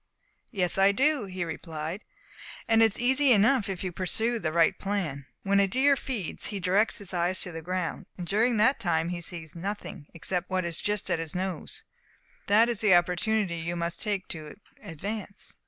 "Yes, I do," he replied; "and it is easy enough if you will pursue the right plan. When a deer feeds, he directs his eyes to the ground; and during that time he sees nothing except what is just at his nose. That is the opportunity you must take to advance.